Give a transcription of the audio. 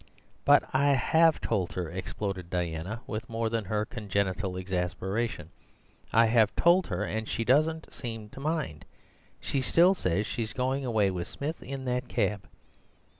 "But I HAVE told her," exploded Diana, with more than her congenital exasperation. "I have told her, and she doesn't seem to mind. She still says she's going away with Smith in that cab."